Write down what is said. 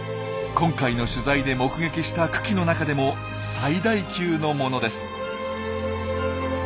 今回の取材で目撃した群来の中でも最大級のものです。